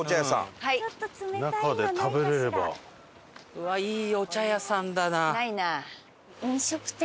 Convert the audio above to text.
うわいいお茶屋さんだな。